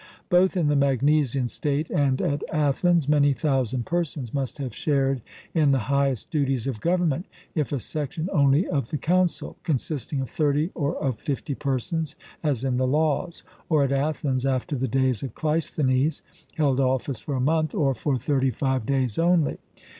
Both in the Magnesian state and at Athens many thousand persons must have shared in the highest duties of government, if a section only of the Council, consisting of thirty or of fifty persons, as in the Laws, or at Athens after the days of Cleisthenes, held office for a month, or for thirty five days only.